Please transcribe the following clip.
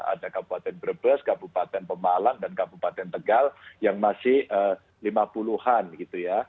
ada kabupaten brebes kabupaten pemalang dan kabupaten tegal yang masih lima puluh an gitu ya